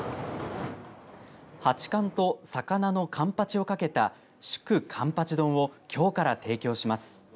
八冠と魚のかんぱちをかけた祝冠八丼をきょうから提供します。